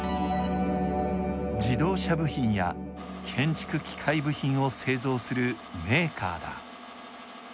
自動車部品や建築機械部品を製造するメーカーだ。